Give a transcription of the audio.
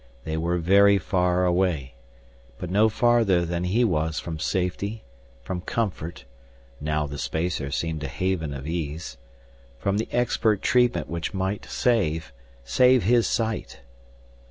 They were very far away, but no farther than he was from safety, from comfort (now the spacer seemed a haven of ease), from the expert treatment which might save, save his sight!